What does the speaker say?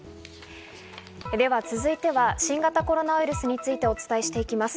では続いては新型コロナウイルスについてお伝えしていきます。